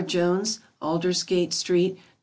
JONES. Aldersgate street, Nov.